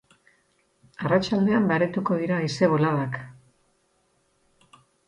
Arratsaldean baretuko dira haize boladak.